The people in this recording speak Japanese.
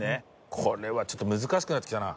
これはちょっと難しくなってきたな。